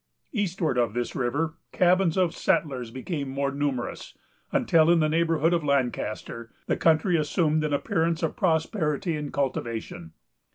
Eastward of this river, cabins of settlers became more numerous, until, in the neighborhood of Lancaster, the country assumed an appearance of prosperity and cultivation.